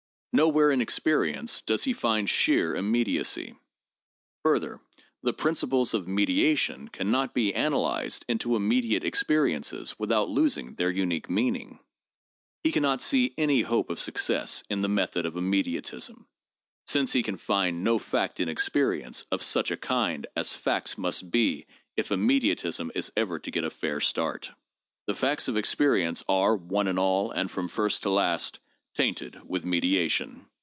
Nowhere in experience does he find sheer immediacy. Further, the principles of mediation can not be analyzed into imme diate experiences without losing their unique meaning. He can not see any hope of success in the method of immediatism, since he can find no fact in experience of such a kind as facts must be if imme diatism is ever to get a fair start. The facts of experience are one and all, and from first to last, tainted with mediation.